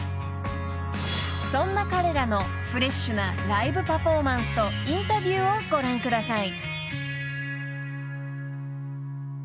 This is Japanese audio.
［そんな彼らのフレッシュなライブパフォーマンスとインタビューをご覧ください］